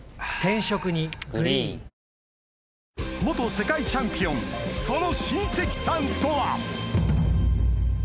世界チャンピオンその親戚さんとは？